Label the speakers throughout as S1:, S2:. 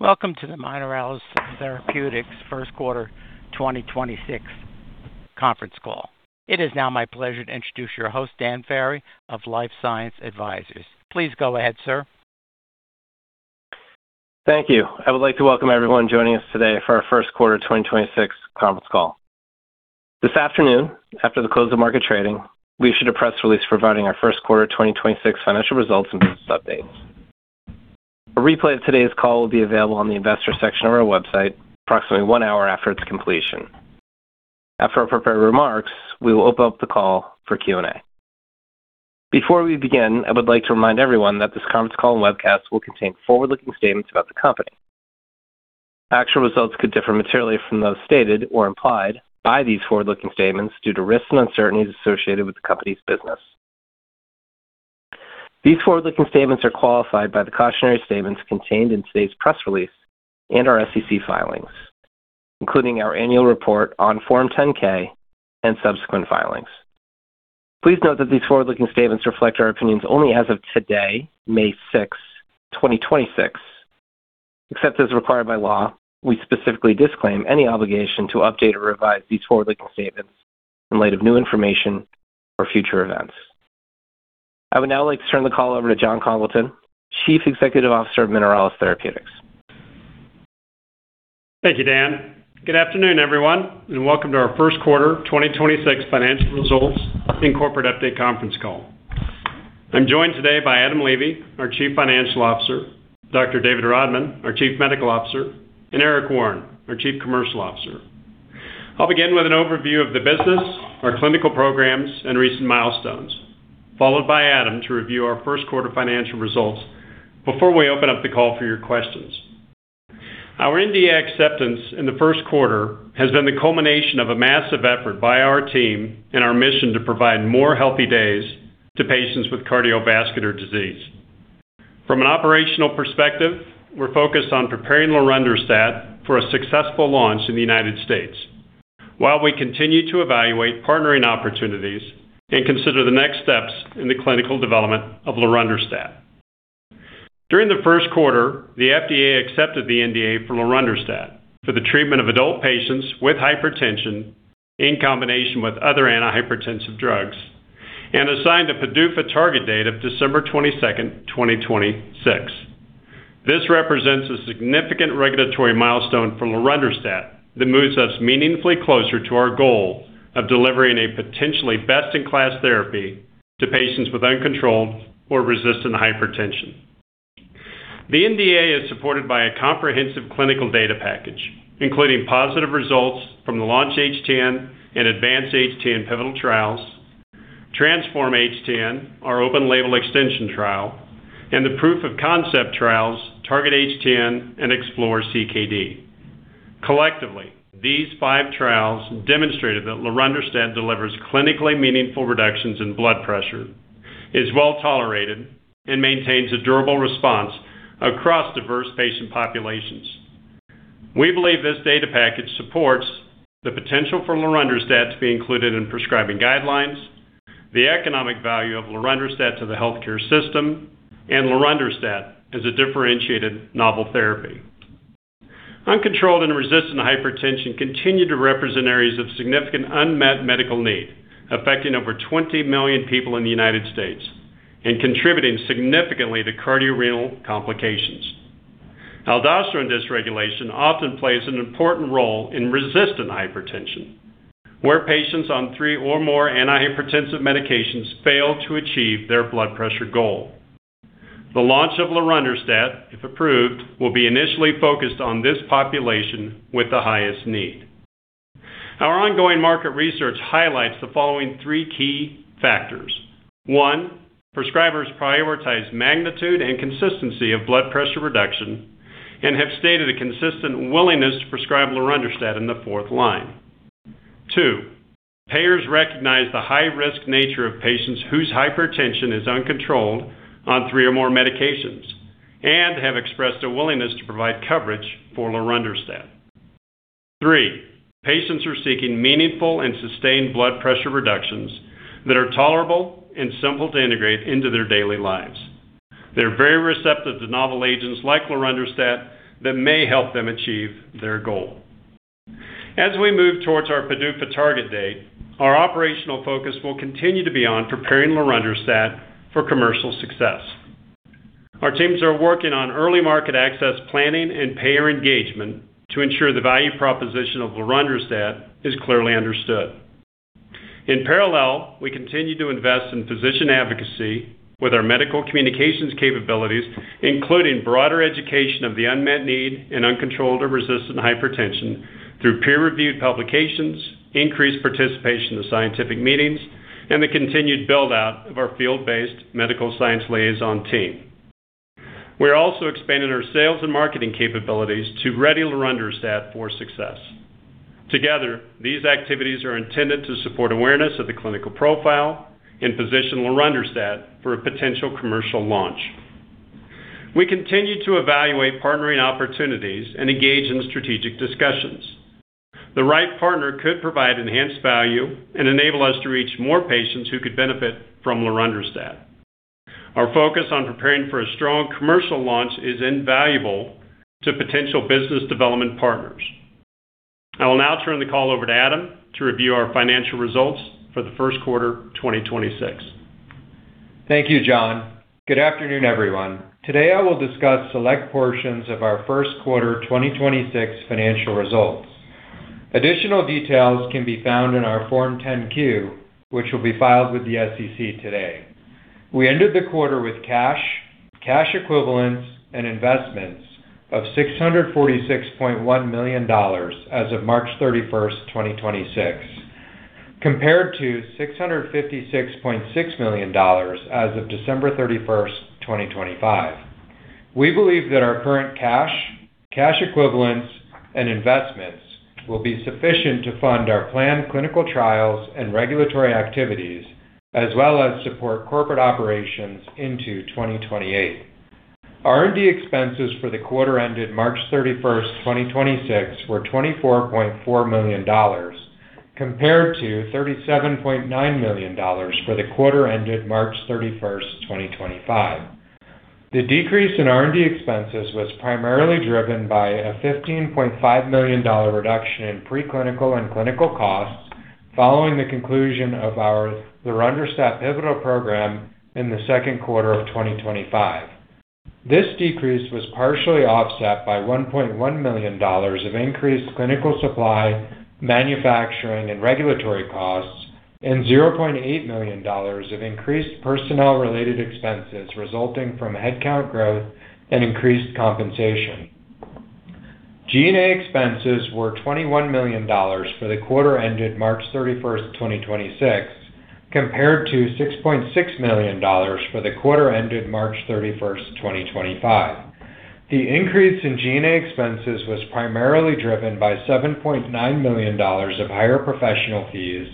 S1: Welcome to the Mineralys Therapeutics first quarter 2026 conference call. It is now my pleasure to introduce your host, Dan Ferry of LifeSci Advisors. Please go ahead, sir.
S2: Thank you. I would like to welcome everyone joining us today for our first quarter 2026 conference call. This afternoon, after the close of market trading, we issued a press release providing our first quarter 2026 financial results and business updates. A replay of today's call will be available on the investor section of our website approximately one hour after its completion. After our prepared remarks, we will open up the call for Q and A. Before we begin, I would like to remind everyone that this conference call and webcast will contain forward-looking statements about the company. Actual results could differ materially from those stated or implied by these forward-looking statements due to risks and uncertainties associated with the company's business. These forward-looking statements are qualified by the cautionary statements contained in today's press release and our SEC filings, including our annual report on Form 10-K and subsequent filings. Please note that these forward-looking statements reflect our opinions only as of today, May 6, 2026. Except as required by law, we specifically disclaim any obligation to update or revise these forward-looking statements in light of new information or future events. I would now like to turn the call over to Jon Congleton, Chief Executive Officer of Mineralys Therapeutics.
S3: Thank you, Dan. Good afternoon, everyone. Welcome to our first quarter 2026 financial results and corporate update conference call. I'm joined today by Adam Levy, our Chief Financial Officer, Dr. David Rodman, our Chief Medical Officer, and Eric Warren, our Chief Commercial Officer. I'll begin with an overview of the business, our clinical programs, and recent milestones, followed by Adam's review our first quarter financial results before we open up the call for your questions. Our NDA acceptance in the first quarter has been the culmination of a massive effort by our team and our mission to provide more healthy days to patients with cardiovascular disease. From an operational perspective, we're focused on preparing lorundrostat for a successful launch in the United States while we continue to evaluate partnering opportunities and consider the next steps in the clinical development of lorundrostat. During the first quarter, the FDA accepted the NDA for lorundrostat for the treatment of adult patients with hypertension in combination with other antihypertensive drugs and assigned a PDUFA target date of December 22nd, 2026. This represents a significant regulatory milestone for lorundrostat that moves us meaningfully closer to our goal of delivering a potentially best-in-class therapy to patients with uncontrolled or resistant hypertension. The NDA is supported by a comprehensive clinical data package, including positive results from the LAUNCH-HTN and ADVANCE-HTN pivotal trials, TRANSFORM-HTN, our open-label extension trial, and the proof of concept trials, Target-HTN and Explore-CKD. Collectively, these five trials demonstrated that lorundrostat delivers clinically meaningful reductions in blood pressure, is well-tolerated, and maintains a durable response across diverse patient populations. We believe this data package supports the potential for lorundrostat to be included in prescribing guidelines, the economic value of lorundrostat to the healthcare system, and lorundrostat as a differentiated novel therapy. Uncontrolled and resistant hypertension continue to represent areas of significant unmet medical need, affecting over 20 million people in the U.S. and contributing significantly to cardiorenal complications. Aldosterone dysregulation often plays an important role in resistant hypertension, where patients on three or more antihypertensive medications fail to achieve their blood pressure goal. The launch of lorundrostat, if approved, will be initially focused on this population with the highest need. Our ongoing market research highlights the following three key factors. One, prescribers prioritize magnitude and consistency of blood pressure reduction and have stated a consistent willingness to prescribe lorundrostat in the fourth line. Two, payers recognize the high-risk nature of patients whose hypertension is uncontrolled on three or more medications and have expressed a willingness to provide coverage for lorundrostat. Three, patients are seeking meaningful and sustained blood pressure reductions that are tolerable and simple to integrate into their daily lives. They're very receptive to novel agents like lorundrostat that may help them achieve their goal. As we move towards our PDUFA target date, our operational focus will continue to be on preparing lorundrostat for commercial success. Our teams are working on early market access planning and payer engagement to ensure the value proposition of lorundrostat is clearly understood. In parallel, we continue to invest in physician advocacy with our medical communications capabilities, including broader education of the unmet need in uncontrolled or resistant hypertension through peer-reviewed publications, increased participation in scientific meetings, and the continued build-out of our field-based medical science liaison team. We are also expanding our sales and marketing capabilities to ready lorundrostat for success. Together, these activities are intended to support awareness of the clinical profile and position lorundrostat for a potential commercial launch. We continue to evaluate partnering opportunities and engage in strategic discussions. The right partner could provide enhanced value and enable us to reach more patients who could benefit from lorundrostat. Our focus on preparing for a strong commercial launch is invaluable to potential business development partners. I will now turn the call over to Adam to review our financial results for the first quarter 2026.
S4: Thank you, Jon. Good afternoon, everyone. Today, I will discuss select portions of our first quarter 2026 financial results. Additional details can be found in our Form 10-Q, which will be filed with the SEC today. We ended the quarter with cash equivalents and investments of $646.1 million as of March 31st, 2026, compared to $656.6 million as of December 31st, 2025. We believe that our current cash equivalents and investments will be sufficient to fund our planned clinical trials and regulatory activities, as well as support corporate operations into 2028. R&D expenses for the quarter ended March 31st, 2026 were $24.4 million, compared to $37.9 million for the quarter ended March 31st, 2025. The decrease in R&D expenses was primarily driven by a $15.5 million reduction in preclinical and clinical costs following the conclusion of our lorundrostat pivotal program in the second quarter of 2025. This decrease was partially offset by $1.1 million of increased clinical supply, manufacturing and regulatory costs and $0.8 million of increased personnel-related expenses resulting from headcount growth and increased compensation. G&A expenses were $21 million for the quarter ended March 31st, 2026, compared to $6.6 million for the quarter ended March 31st, 2025. The increase in G&A expenses was primarily driven by $7.9 million of higher professional fees,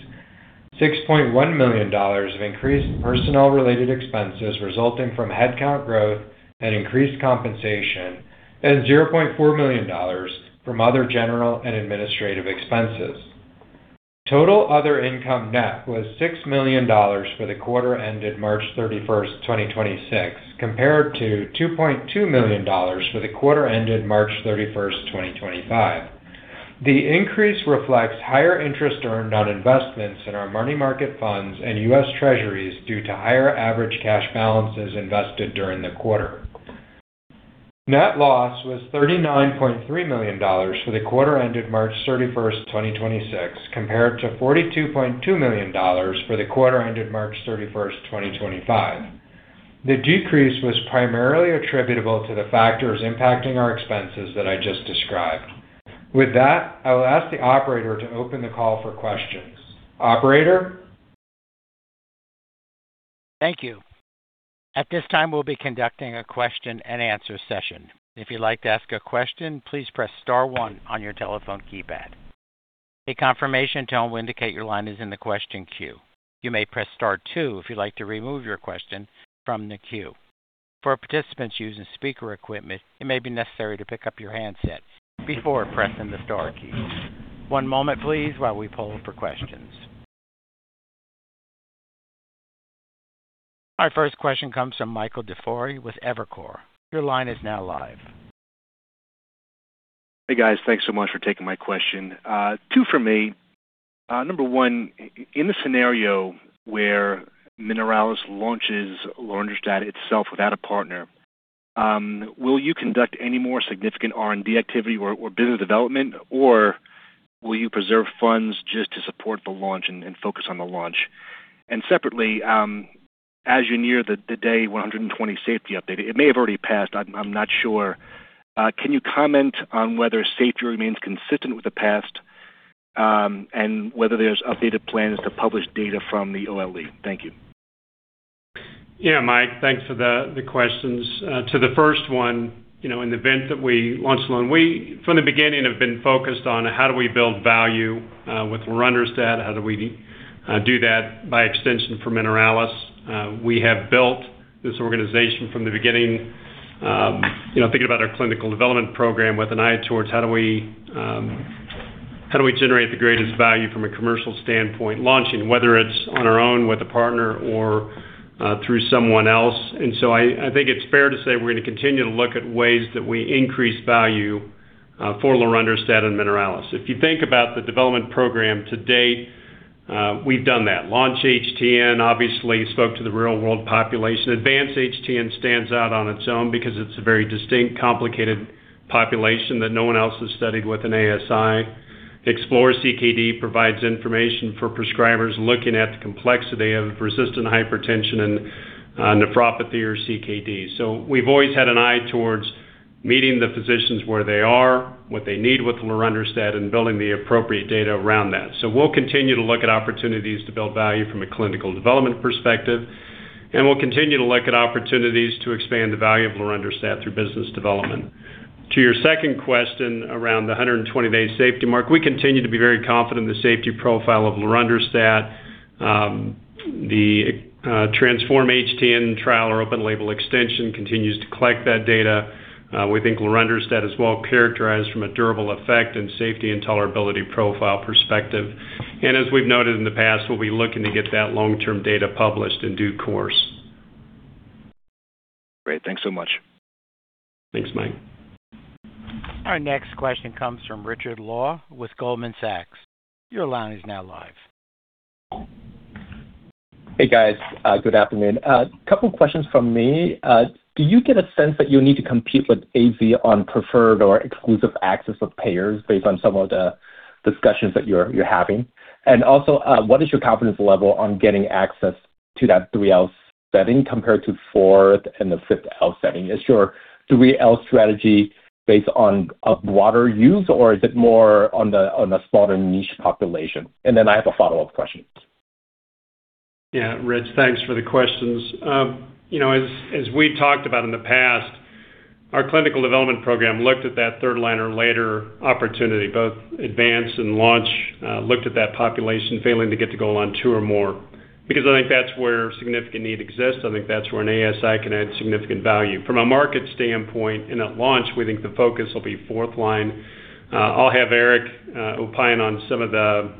S4: $6.1 million of increased personnel-related expenses resulting from headcount growth and increased compensation, and $0.4 million from other general and administrative expenses. Total other income net was $6 million for the quarter ended March 31st, 2026, compared to $2.2 million for the quarter ended March 31, 2025. The increase reflects higher interest earned on investments in our money market funds and US Treasuries due to higher average cash balances invested during the quarter. Net loss was $39.3 million for the quarter ended March 31st, 2026, compared to $42.2 million for the quarter ended March 31st, 2025. The decrease was primarily attributable to the factors impacting our expenses that I just described. With that, I will ask the operator to open the call for questions. Operator?
S1: Thank you. At this time, we'll be conducting a question and answer session. If you'd like to ask a question, please press star one on your telephone keypad. A confirmation tone will indicate your line is in the question queue. You may press star two if you'd like to remove your question from the queue. For participants using speaker equipment, it may be necessary to pick up your handset before pressing the star key. One moment, please, while we poll for questions. Our first question comes from Michael DiFiore with Evercore. Your line is now live.
S5: Hey, guys. Thanks so much for taking my question. Two for me. Number one, in the scenario where Mineralys launches lorundrostat itself without a partner, will you conduct any more significant R&D activity or business development, or will you preserve funds just to support the launch and focus on the launch? Separately, as you near the day 120 safety update, it may have already passed. I'm not sure. Can you comment on whether safety remains consistent with the past, and whether there's updated plans to publish data from the OLE? Thank you.
S3: Yeah, Mike, thanks for the questions. To the first one, you know, in the event that we launch alone, we from the beginning have been focused on how do we build value with lorundrostat, how do we do that by extension for Mineralys. We have built this organization from the beginning, you know, thinking about our clinical development program with an eye towards how do we how do we generate the greatest value from a commercial standpoint, launching, whether it's on our own with a partner or through someone else. I think it's fair to say we're gonna continue to look at ways that we increase value for lorundrostat and Mineralys. If you think about the development program to date, we've done that. Launch-HTN obviously spoke to the real-world population. Advance-HTN stands out on its own because it's a very distinct, complicated population that no one else has studied with an ASI. Explore-CKD provides information for prescribers looking at the complexity of persistent hypertension and nephropathy or CKD. We've always had an eye towards meeting the physicians where they are, what they need with lorundrostat, and building the appropriate data around that. We'll continue to look at opportunities to build value from a clinical development perspective, and we'll continue to look at opportunities to expand the value of lorundrostat through business development. To your second question, around the 120 days safety mark, we continue to be very confident in the safety profile of lorundrostat. The Transform-HTN trial or open-label extension continues to collect that data. We think lorundrostat is well-characterized from a durable effect and safety and tolerability profile perspective. As we've noted in the past, we'll be looking to get that long-term data published in due course.
S5: Great. Thanks so much.
S3: Thanks, Mike.
S1: Our next question comes from Richard Law with Goldman Sachs. Your line is now live.
S6: Hey, guys. Good afternoon. Couple questions from me. Do you get a sense that you need to compete with AZ on preferred or exclusive access with payers based on some of the discussions that you're having? Also, what is your confidence level on getting access to that 3 L setting compared to fourth and the fifth L setting? Is your 3 L strategy based on water use or is it more on the smaller niche population? Then I have a follow-up question.
S3: Yeah. Rich, thanks for the questions. You know, as we talked about in the past, our clinical development program looked at that third line or later opportunity, both Advance and Launch, looked at that population failing to get to goal on two or more because I think that's where significant need exists. I think that's where an ASI can add significant value. From a market standpoint and at launch, we think the focus will be fourth line. I'll have Eric opine on some of the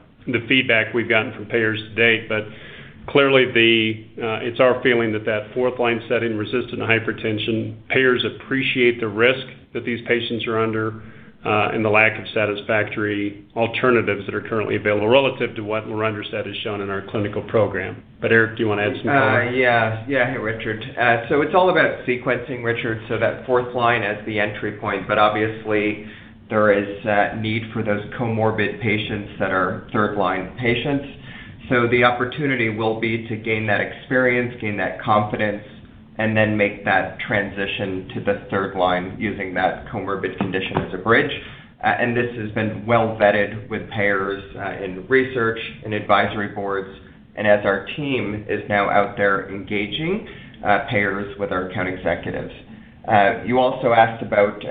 S3: feedback we've gotten from payers to date. Clearly, it's our feeling that that fourth line setting resistant hypertension payers appreciate the risk that these patients are under and the lack of satisfactory alternatives that are currently available relative to what lorundrostat has shown in our clinical program. Eric, do you want to add some color?
S7: Yeah, Richard. It's all about sequencing, Richard. That fourth line as the entry point, but obviously there is that need for those comorbid patients that are third-line patients. The opportunity will be to gain that experience, gain that confidence, and then make that transition to the third line using that comorbid condition as a bridge. This has been well vetted with payers in research and advisory boards and as our team is now out there engaging payers with our account executives. You also asked about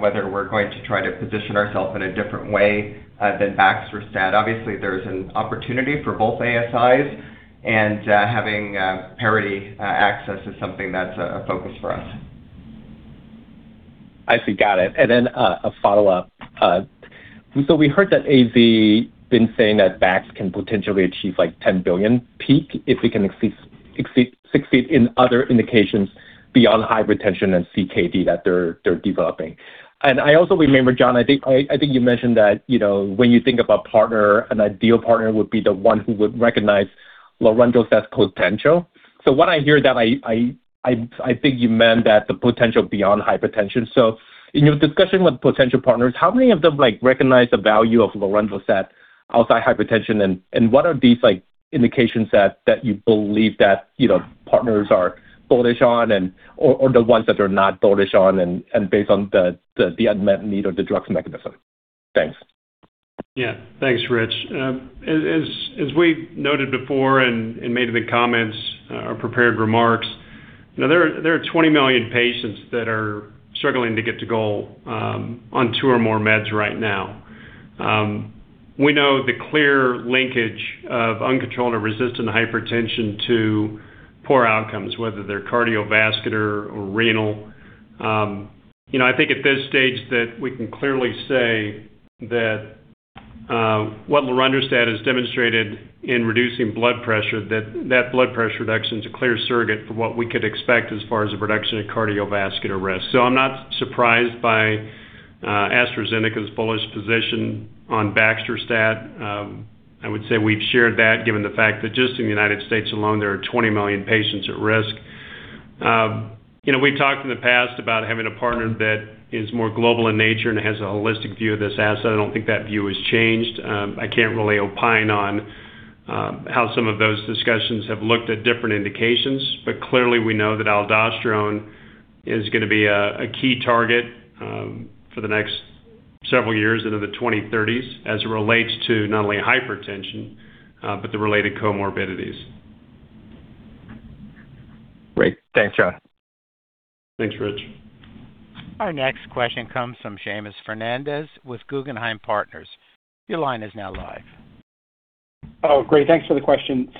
S7: whether we're going to try to position ourself in a different way than baxdrostat. Obviously, there's an opportunity for both ASIs and having parity access is something that's a focus for us.
S6: I see. Got it. Then, a follow-up. We heard that AZ been saying that bax can potentially achieve like $10 billion peak if we can succeed in other indications beyond hypertension and CKD that they're developing. I also remember, Jon, I think you mentioned that, you know, when you think of a partner, an ideal partner would be the one who would recognize lorundrostat's potential. When I hear that, I think you meant that the potential beyond hypertension. In your discussion with potential partners, how many of them recognize the value of lorundrostat outside hypertension and, what are these indications that you believe that partners are bullish on and or the ones that they're not bullish on and, based on the unmet need of the drug's mechanism? Thanks.
S3: Yeah. Thanks, Rich. As we noted before and made in the comments or prepared remarks, you know, there are 20 million patients that are struggling to get to goal on two or more meds right now. We know the clear linkage of uncontrolled or resistant hypertension to poor outcomes, whether they're cardiovascular or renal. You know, I think at this stage that we can clearly say that what lorundrostat has demonstrated in reducing blood pressure, that blood pressure reduction is a clear surrogate for what we could expect as far as a reduction in cardiovascular risk. I'm not surprised by AstraZeneca's bullish position on baxdrostat. I would say we've shared that given the fact that just in the United States alone, there are 20 million patients at risk. You know, we've talked in the past about having a partner that is more global in nature and has a holistic view of this asset. I don't think that view has changed. I can't really opine on how some of those discussions have looked at different indications. Clearly we know that aldosterone is gonna be a key target for the next several years into the 2030s as it relates to not only hypertension, but the related comorbidities.
S6: Great. Thanks, Jon.
S3: Thanks, Rich.
S1: Our next question comes from Seamus Fernandez with Guggenheim Partners. Your line is now live.
S8: Great. Thanks for the question.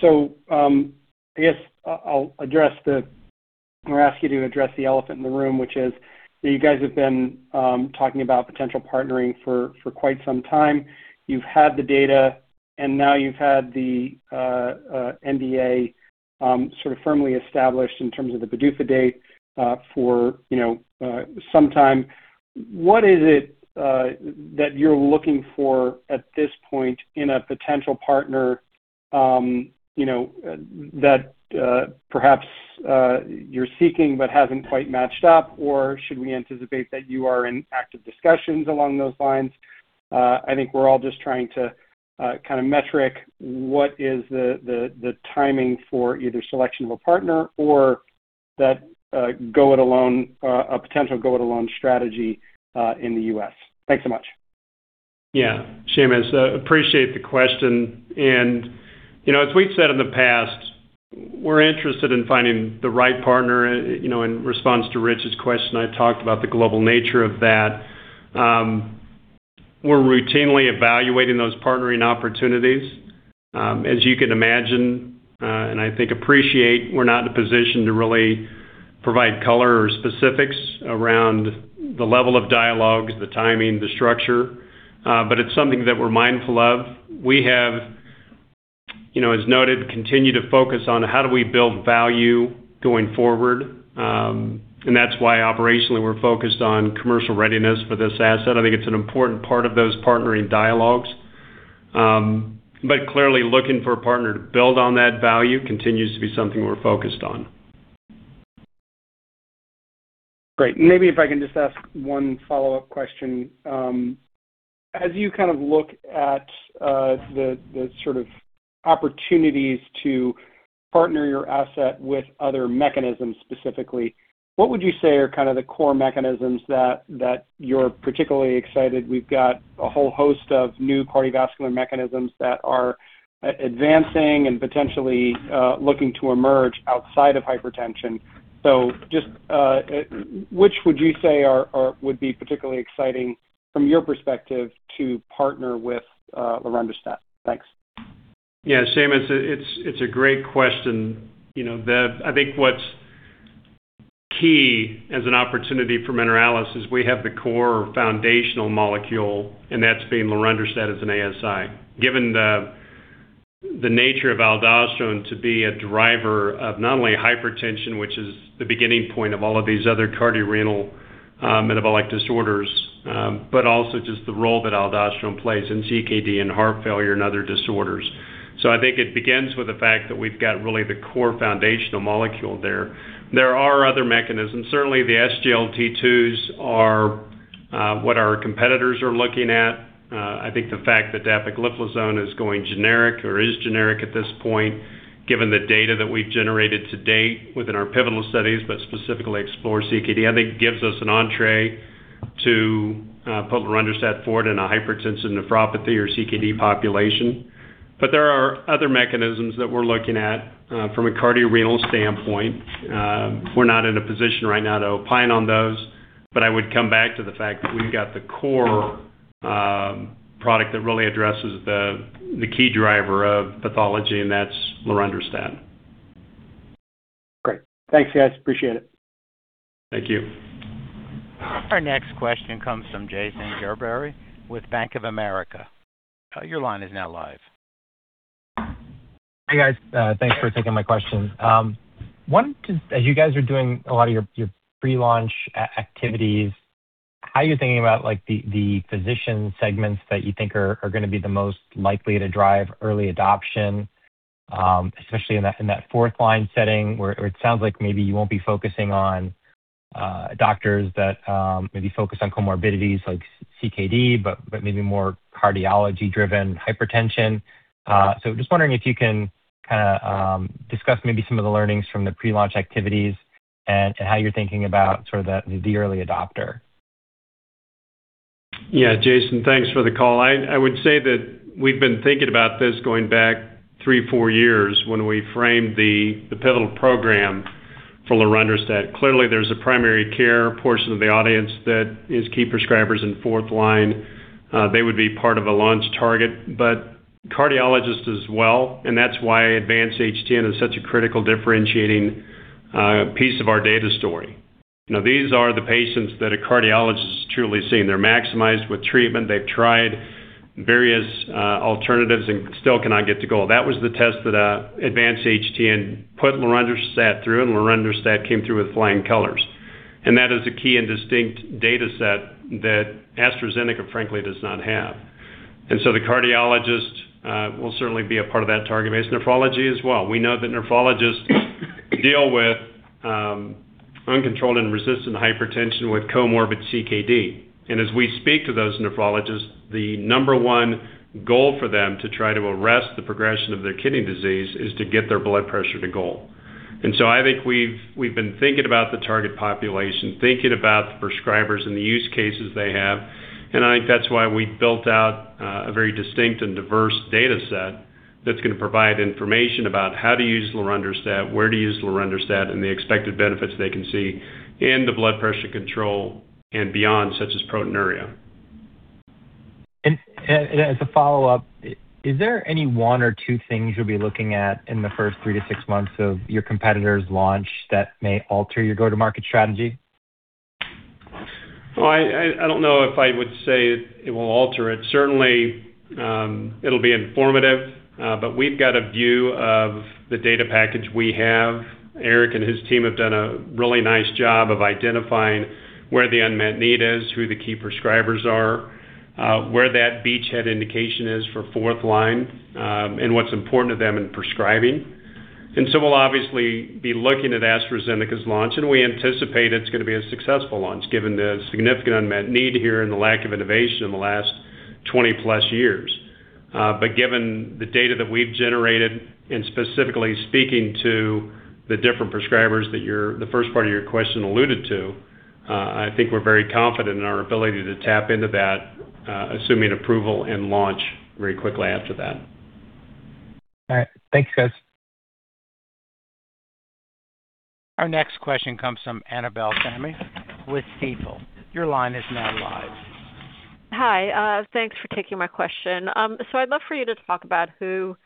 S8: We're asking you to address the elephant in the room, which is that you guys have been talking about potential partnering for quite some time. You've had the data, now you've had the NDA sort of firmly established in terms of the PDUFA date for, you know, some time. What is it that you're looking for at this point in a potential partner, you know, that perhaps you're seeking but hasn't quite matched up? Should we anticipate that you are in active discussions along those lines? I think we're all just trying to kind of metric what is the, the timing for either selection of a partner or that go it alone, a potential go it alone strategy in the U.S. Thanks so much.
S3: Yeah. Seamus, appreciate the question. You know, as we've said in the past, we're interested in finding the right partner. You know, in response to Richard Law's question, I talked about the global nature of that. We're routinely evaluating those partnering opportunities. As you can imagine, and I think appreciate, we're not in a position to really provide color or specifics around the level of dialogues, the timing, the structure, it's something that we're mindful of. We have, you know, as noted, continued to focus on how do we build value going forward. That's why operationally we're focused on commercial readiness for this asset. I think it's an important part of those partnering dialogues. Clearly looking for a partner to build on that value continues to be something we're focused on.
S8: Great. Maybe if I can just ask one follow-up question. As you kind of look at the sort of opportunities to partner your asset with other mechanisms specifically, what would you say are kind of the core mechanisms that you're particularly excited? We've got a whole host of new cardiovascular mechanisms that are advancing and potentially looking to emerge outside of hypertension. Just which would you say are would be particularly exciting from your perspective to partner with lorundrostat? Thanks.
S3: Seamus, it's a great question. You know, I think what's key as an opportunity for Mineralys is we have the core foundational molecule, and that's being lorundrostat as an ASI. Given the nature of aldosterone to be a driver of not only hypertension, which is the beginning point of all of these other cardiorenal, metabolic disorders, but also just the role that aldosterone plays in CKD and heart failure and other disorders. I think it begins with the fact that we've got really the core foundational molecule there. There are other mechanisms. Certainly, the SGLT2s are what our competitors are looking at. I think the fact that dapagliflozin is going generic or is generic at this point, given the data that we've generated to date within our pivotal studies, but specifically Explore-CKD, I think gives us an entrée to put lorundrostat forward in a hypertensive nephropathy or CKD population. There are other mechanisms that we're looking at from a cardiorenal standpoint. We're not in a position right now to opine on those, but I would come back to the fact that we've got the core product that really addresses the key driver of pathology, and that's lorundrostat.
S8: Great. Thanks, guys. Appreciate it.
S3: Thank you.
S1: Our next question comes from Jason Gerberry with Bank of America. Your line is now live.
S9: Hi, guys. Thanks for taking my question. One, just as you guys are doing a lot of your pre-launch activities, how are you thinking about, like, the physician segments that you think are going to be the most likely to drive early adoption, especially in that fourth line setting where it sounds like maybe you won't be focusing on doctors that maybe focus on comorbidities like CKD, but maybe more cardiology-driven hypertension. Just wondering if you can kind of discuss maybe some of the learnings from the pre-launch activities and how you're thinking about sort of the early adopter.
S3: Jason, thanks for the call. I would say that we've been thinking about this going back three, four years when we framed the pivotal program for lorundrostat. Clearly, there's a primary care portion of the audience that is key prescribers in fourth line. They would be part of a launch target, but cardiologists as well, and that's why Advance-HTN is such a critical differentiating piece of our data story. Now, these are the patients that a cardiologist is truly seeing. They're maximized with treatment. They've tried various alternatives and still cannot get to goal. That was the test that Advance-HTN put lorundrostat through, and lorundrostat came through with flying colors. That is a key and distinct data set that AstraZeneca, frankly, does not have. The cardiologist will certainly be a part of that target base. Nephrology as well. We know that nephrologists deal with uncontrolled and resistant hypertension with comorbid CKD. As we speak to those nephrologists, the number one goal for them to try to arrest the progression of their kidney disease is to get their blood pressure to goal. I think we've been thinking about the target population, thinking about the prescribers and the use cases they have, and I think that's why we built out a very distinct and diverse data set that's gonna provide information about how to use lorundrostat, where to use lorundrostat, and the expected benefits they can see in the blood pressure control and beyond, such as proteinuria.
S9: As a follow-up, is there any one or two things you'll be looking at in the first three to six months of your competitor's launch that may alter your go-to-market strategy?
S3: Well, I don't know if I would say it will alter it. Certainly, it'll be informative, but we've got a view of the data package we have. Eric and his team have done a really nice job of identifying where the unmet need is, who the key prescribers are, where that beachhead indication is for fourth line, and what's important to them in prescribing. We'll obviously be looking at AstraZeneca's launch, and we anticipate it's gonna be a successful launch given the significant unmet need here and the lack of innovation in the last 20+ years. Given the data that we've generated and specifically speaking to the different prescribers that the first part of your question alluded to, I think we're very confident in our ability to tap into that, assuming approval and launch very quickly after that.
S9: All right. Thank you, guys.
S1: Our next question comes from Annabel Samimy with Stifel. Your line is now live.
S10: Hi. Thanks for taking my question. I'd love for you to talk about who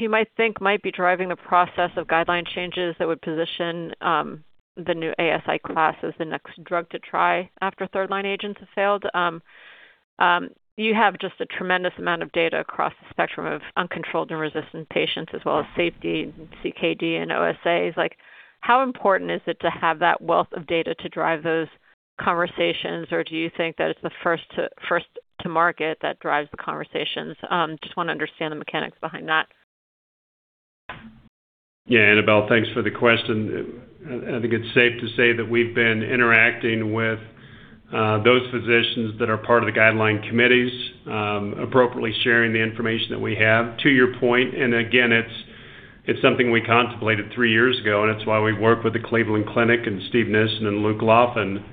S10: you might think might be driving the process of guideline changes that would position the new ASI class as the next drug to try after third-line agents have failed. You have just a tremendous amount of data across the spectrum of uncontrolled and resistant patients as well as safety and CKD and OSAs. Like, how important is it to have that wealth of data to drive those conversations? Or do you think that it's the first to market that drives the conversations? Just wanna understand the mechanics behind that.
S3: Yeah, Annabel, thanks for the question. I think it's safe to say that we've been interacting with those physicians that are part of the guideline committees, appropriately sharing the information that we have. To your point, again, it's something we contemplated three years ago, and it's why we work with the Cleveland Clinic and Steven Nissen and Luke Laffin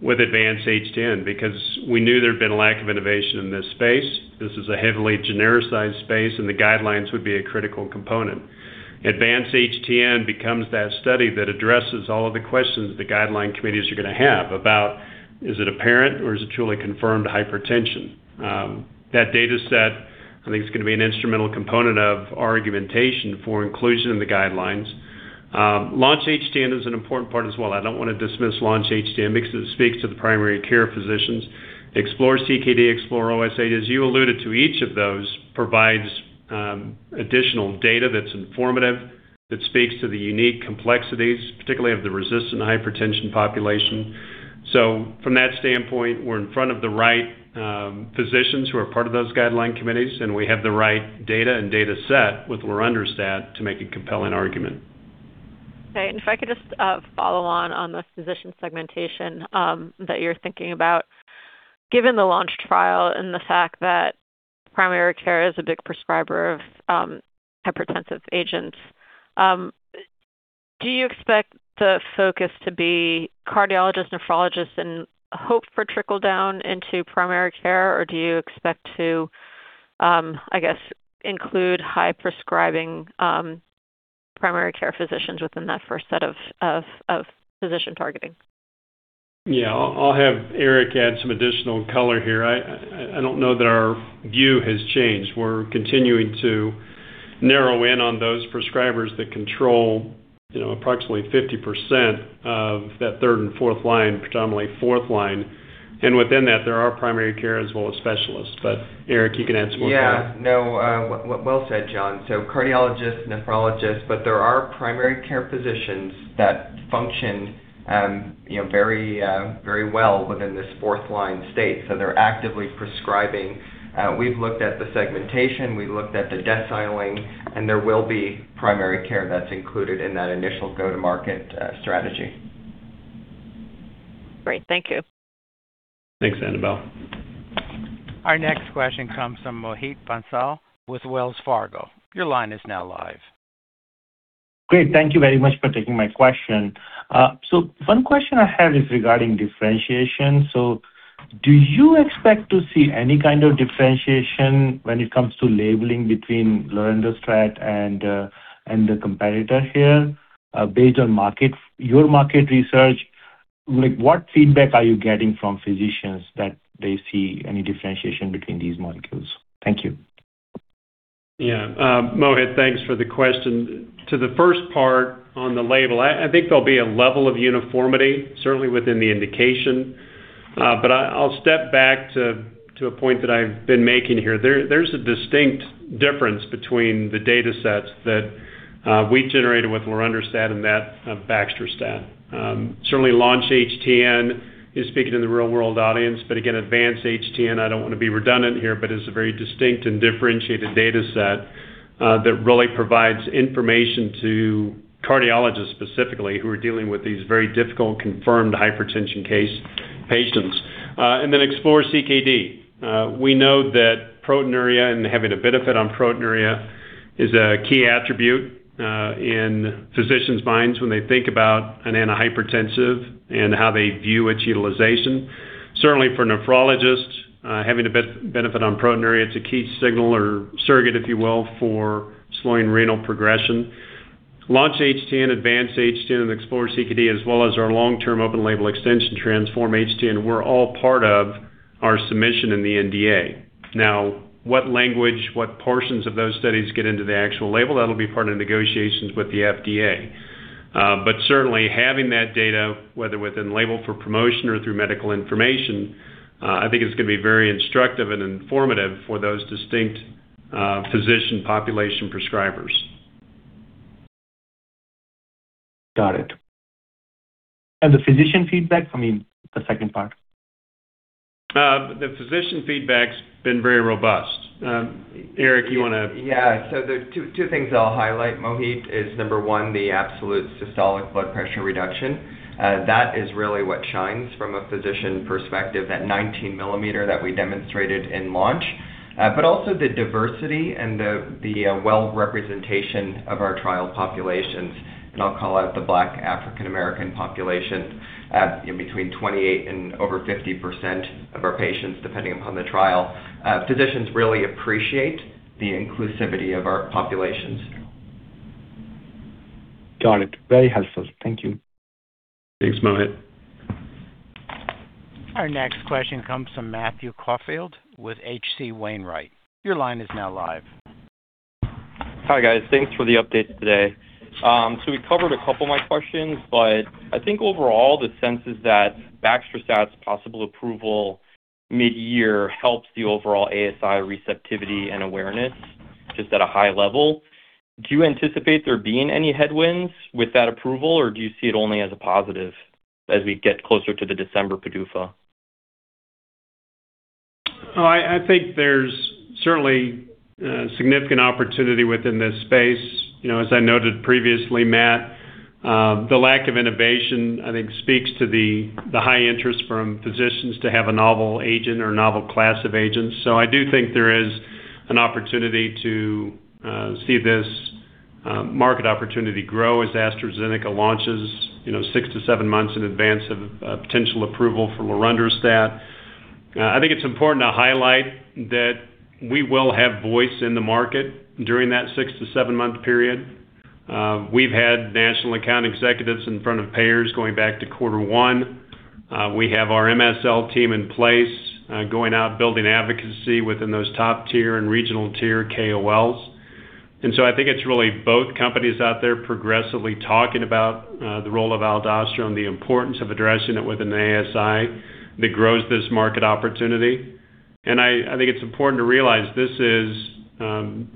S3: with Advance-HTN because we knew there had been a lack of innovation in this space. This is a heavily genericized space, and the guidelines would be a critical component. Advance-HTN becomes that study that addresses all of the questions the guideline committees are going to have about, is it apparent or is it truly confirmed hypertension? That data set, I think, is going to be an instrumental component of our argumentation for inclusion in the guidelines. Launch-HTN is an important part as well. I don't wanna dismiss Launch-HTN because it speaks to the primary care physicians. Explore-CKD, Explore-OSA, as you alluded to, each of those provides additional data that's informative, that speaks to the unique complexities, particularly of the resistant hypertension population. From that standpoint, we're in front of the right physicians who are part of those guideline committees, and we have the right data and data set with lorundrostat to make a compelling argument.
S10: Okay. If I could just follow on the physician segmentation that you're thinking about. Given the Launch trial and the fact that primary care is a big prescriber of hypertensive agents, do you expect the focus to be cardiologists, nephrologists and hope for trickle-down into primary care? Or do you expect to, I guess, include high-prescribing primary care physicians within that first set of physician targeting?
S3: Yeah. I'll have Eric add some additional color here. I don't know that our view has changed. We're continuing to narrow in on those prescribers that control, you know, approximately 50% of that third and fourth line, predominantly fourth line. Within that, there are primary care as well as specialists. Eric, you can add some more color.
S7: Yeah. No, well said, Jon. Cardiologists, nephrologists, but there are primary care physicians that function, you know, very, very well within this fourth-line state, they're actively prescribing. We've looked at the segmentation, we've looked at the deciling, and there will be primary care that's included in that initial go-to-market strategy.
S10: Great. Thank you.
S3: Thanks, Annabel.
S1: Our next question comes from Mohit Bansal with Wells Fargo. Your line is now live.
S11: Great. Thank you very much for taking my question. One question I have is regarding differentiation. Do you expect to see any kind of differentiation when it comes to labeling between lorundrostat and the competitor here, based on market, your market research? Like, what feedback are you getting from physicians that they see any differentiation between these molecules? Thank you.
S3: Mohit, thanks for the question. To the first part on the label, I think there'll be a level of uniformity, certainly within the indication. I'll step back to a point that I've been making here. There's a distinct difference between the data sets that we generated with lorundrostat and that of baxdrostat. Certainly Launch-HTN is speaking to the real world audience, again, Advance-HTN, I don't wanna be redundant here, but is a very distinct and differentiated data set that really provides information to cardiologists specifically who are dealing with these very difficult confirmed hypertension case patients. Explore-CKD. We know that proteinuria and having a benefit on proteinuria is a key attribute in physicians' minds when they think about an antihypertensive and how they view its utilization. Certainly for nephrologists, having a benefit on proteinuria, it's a key signal or surrogate, if you will, for slowing renal progression. Launch-HTN, Advance-HTN, and Explore-CKD, as well as our long-term open label extension Transform-HTN, were all part of our submission in the NDA. Now, what language, what portions of those studies get into the actual label, that'll be part of negotiations with the FDA. Certainly having that data, whether within label for promotion or through medical information, I think it's gonna be very instructive and informative for those distinct physician population prescribers.
S11: Got it. The physician feedback, I mean, the second part.
S3: The physician feedback's been very robust. Eric,
S7: There are two things that I'll highlight, Mohit, is number one, the absolute systolic blood pressure reduction. That is really what shines from a physician perspective, that 19 mm that we demonstrated in Launch. Also the diversity and the well representation of our trial populations, and I'll call out the Black African American population, in between 28 and over 50% of our patients, depending upon the trial. Physicians really appreciate the inclusivity of our populations.
S11: Got it. Very helpful. Thank you.
S3: Thanks, Mohit.
S1: Our next question comes from Matthew Caufield with H.C. Wainwright. Your line is now live.
S12: Hi, guys. Thanks for the update today. We covered a couple of my questions, but I think overall the sense is that baxdrostat's possible approval mid-year helps the overall ASI receptivity and awareness just at a high level. Do you anticipate there being any headwinds with that approval, or do you see it only as a positive as we get closer to the December PDUFA?
S3: I think there's certainly significant opportunity within this space. You know, as I noted previously, Matt, the lack of innovation, I think, speaks to the high interest from physicians to have a novel agent or a novel class of agents. I do think there is an opportunity to see this market opportunity grow as AstraZeneca launches, you know, six to seven months in advance of potential approval for lorundrostat. I think it's important to highlight that we will have voice in the market during that six to seven-month period. We've had national account executives in front of payers going back to quarter one. We have our MSL team in place, going out building advocacy within those top tier and regional tier KOLs. I think it's really both companies out there progressively talking about the role of aldosterone, the importance of addressing it with an ASI that grows this market opportunity. I think it's important to realize this is,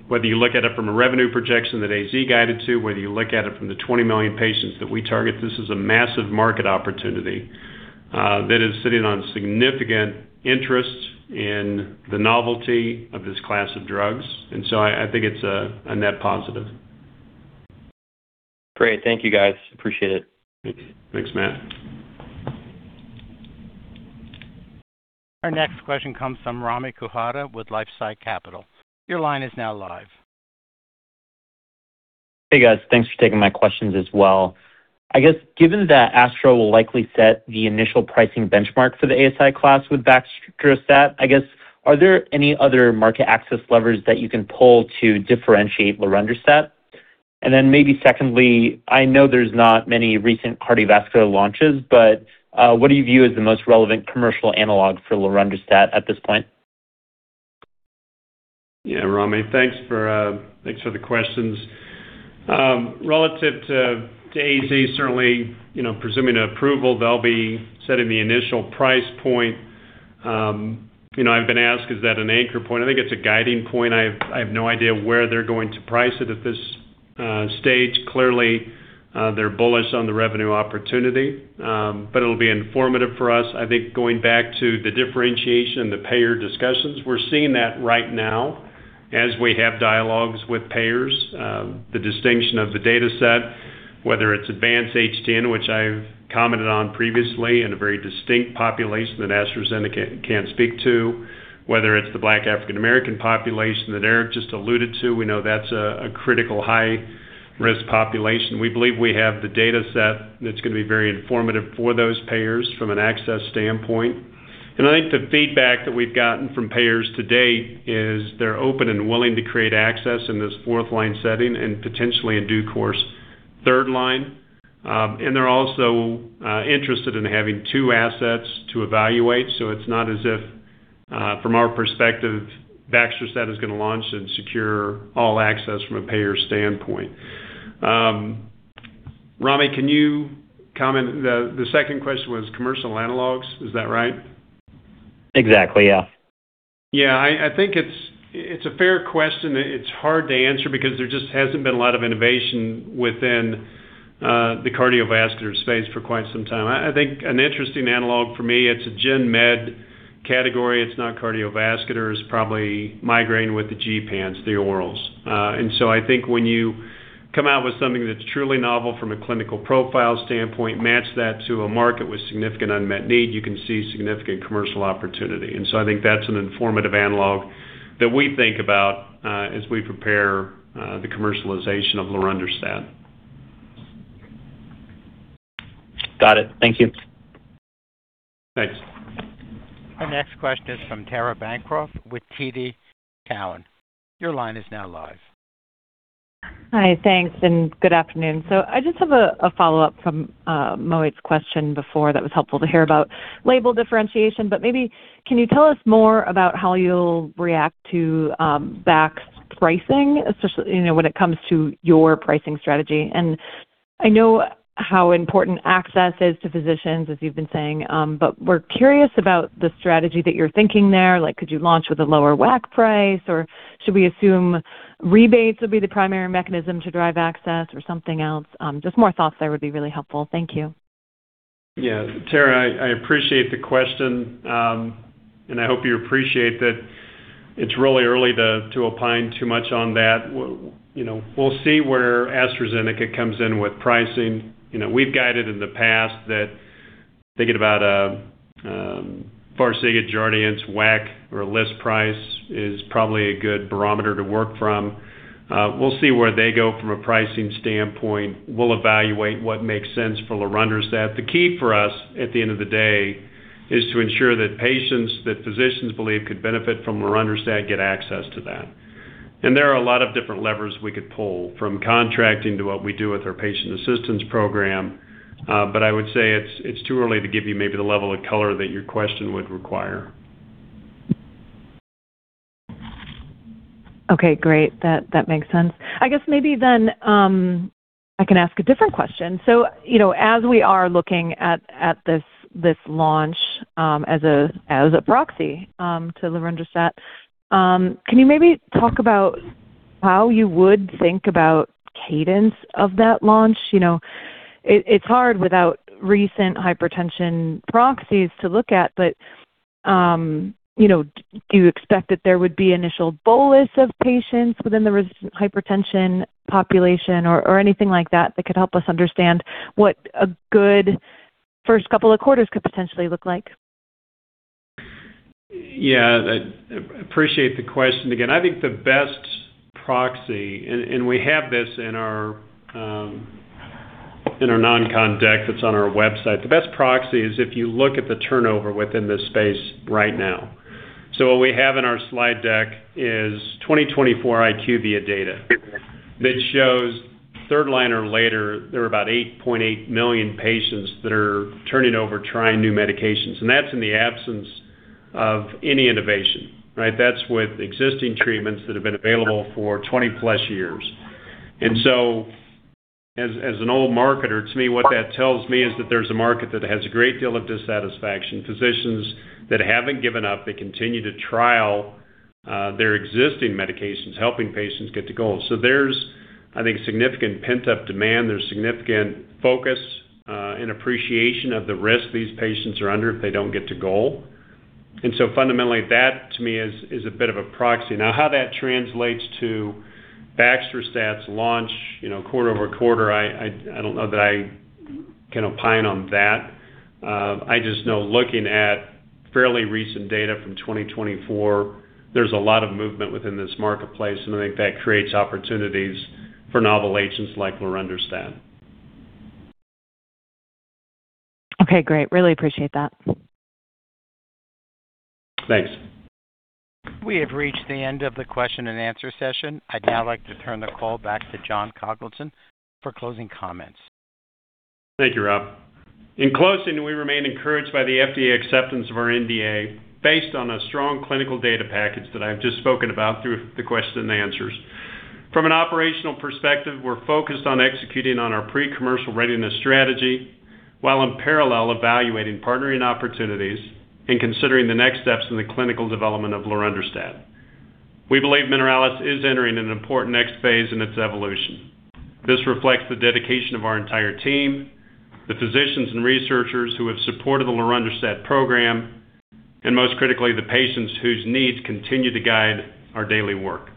S3: whether you look at it from a revenue projection that AZ guided to, whether you look at it from the 20 million patients that we target, this is a massive market opportunity that is sitting on significant interest in the novelty of this class of drugs. I think it's a net positive.
S12: Great. Thank you, guys. Appreciate it.
S3: Thanks, Matt.
S1: Our next question comes from Rami Katkhuda with LifeSci Capital. Your line is now live.
S13: Hey, guys. Thanks for taking my questions as well. I guess given that Astra will likely set the initial pricing benchmark for the ASI class with baxdrostat, I guess, are there any other market access levers that you can pull to differentiate lorundrostat? Maybe secondly, I know there's not many recent cardiovascular launches, but what do you view as the most relevant commercial analog for lorundrostat at this point?
S3: Yeah, Rami, thanks for the questions. Relative to AZ, certainly, you know, presuming approval, they'll be setting the initial price point. You know, I've been asked, is that an anchor point? I think it's a guiding point. I have no idea where they're going to price it at this stage. Clearly, they're bullish on the revenue opportunity, it'll be informative for us. I think going back to the differentiation, the payer discussions, we're seeing that right now as we have dialogues with payers. The distinction of the dataset, whether it's Advance-HTN, which I've commented on previously, and a very distinct population that AstraZeneca can speak to, whether it's the Black African-American population that Eric just alluded to. We know that's a critical high-risk population. We believe we have the dataset that's gonna be very informative for those payers from an access standpoint. I think the feedback that we've gotten from payers to date is they're open and willing to create access in this fourth-line setting and potentially in due course, third line. They're also interested in having two assets to evaluate. It's not as if from our perspective baxdrostat is gonna launch and secure all access from a payer standpoint. Rami, can you comment? The second question was commercial analogs. Is that right?
S13: Exactly, yeah.
S3: Yeah. I think it's a fair question. It's hard to answer because there just hasn't been a lot of innovation within the cardiovascular space for quite some time. I think an interesting analog for me, it's a gen med category. It's not cardiovascular. It's probably migraine with the gepants, the orals. I think when you come out with something that's truly novel from a clinical profile standpoint, match that to a market with significant unmet need, you can see significant commercial opportunity. I think that's an informative analog that we think about as we prepare the commercialization of lorundrostat.
S13: Got it. Thank you.
S3: Thanks.
S1: Our next question is from Tara Bancroft with TD Cowen. Your line is now live.
S14: Hi. Thanks, and good afternoon. I just have a follow-up from Mohit's question before that was helpful to hear about label differentiation, but maybe can you tell us more about how you'll react to bax pricing, especially, you know, when it comes to your pricing strategy? I know how important access is to physicians, as you've been saying, but we're curious about the strategy that you're thinking there. Like, could you launch with a lower WAC price, or should we assume rebates would be the primary mechanism to drive access or something else? Just more thoughts there would be really helpful. Thank you.
S3: Yeah. Tara, I appreciate the question. And I hope you appreciate that it's really early to opine too much on that. We, you know, we'll see where AstraZeneca comes in with pricing. You know, we've guided in the past that thinking about FARXIGA, JARDIANCE, WAC or list price is probably a good barometer to work from. We'll see where they go from a pricing standpoint. We'll evaluate what makes sense for lorundrostat. The key for us at the end of the day is to ensure that patients that physicians believe could benefit from lorundrostat get access to that. There are a lot of different levers we could pull from contracting to what we do with our patient assistance program. I would say it's too early to give you maybe the level of color that your question would require.
S14: Okay, great. That makes sense. I guess maybe then I can ask a different question. You know, as we are looking at this launch, as a proxy to lorundrostat, can you maybe talk about how you would think about cadence of that launch? You know, it's hard without recent hypertension proxies to look at, but, you know, do you expect that there would be initial bolus of patients within the resistant hypertension population or anything like that could help us understand what a good first couple of quarters could potentially look like?
S3: Yeah. I appreciate the question. I think the best proxy, and we have this in our non-con deck that's on our website. The best proxy is if you look at the turnover within this space right now. What we have in our slide deck is 2024 IQVIA data that shows third line or later, there are about 8.8 million patients that are turning over trying new medications. That's in the absence of any innovation, right? That's with existing treatments that have been available for 20+ years. As an old marketer, to me, what that tells me is that there's a market that has a great deal of dissatisfaction. Physicians that haven't given up, they continue to trial their existing medications, helping patients get to goal. There's, I think, significant pent-up demand. There's significant focus, and appreciation of the risk these patients are under if they don't get to goal. Fundamentally, that to me is a bit of a proxy. How that translates to baxdrostat's launch, you know, quarter-over-quarter, I don't know that I can opine on that. I know looking at fairly recent data from 2024, there's a lot of movement within this marketplace, I think that creates opportunities for novel agents like lorundrostat.
S14: Okay, great. Really appreciate that.
S3: Thanks.
S1: We have reached the end of the question and answer session. I'd now like to turn the call back to Jon Congleton for closing comments.
S3: Thank you, Rob. In closing, we remain encouraged by the FDA acceptance of our NDA based on a strong clinical data package that I've just spoken about through the Q and A. From an operational perspective, we're focused on executing on our pre-commercial readiness strategy while in parallel evaluating partnering opportunities and considering the next steps in the clinical development of lorundrostat. We believe Mineralys is entering an important next phase in its evolution. This reflects the dedication of our entire team, the physicians and researchers who have supported the lorundrostat program, and most critically, the patients whose needs continue to guide our daily work.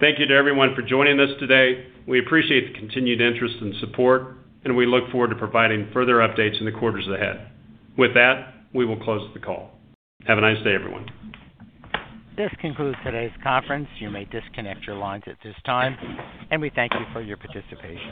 S3: Thank you to everyone for joining us today. We appreciate the continued interest and support, we look forward to providing further updates in the quarters ahead. With that, we will close the call. Have a nice day, everyone.
S1: This concludes today's conference. You may disconnect your lines at this time, and we thank you for your participation.